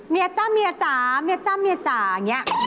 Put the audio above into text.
เมียจ้าเมียจ๋าเมียจ๋าเมียจ๋าเมียจ๋าอย่างนี้